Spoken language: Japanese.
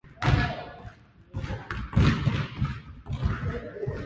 バカな息子をーーーーそれでも愛そう・・・